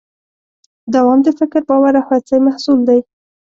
دوام د فکر، باور او هڅې محصول دی.